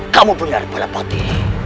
kamu benar bala pati